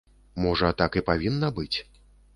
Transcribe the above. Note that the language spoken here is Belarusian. Можа, так і павінна быць?